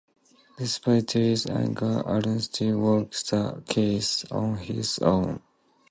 Despite Terry's anger, Allen still works the case on his own.